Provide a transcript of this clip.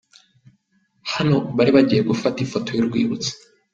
Hano bari bagiye gufata ifoto y’urwibutso.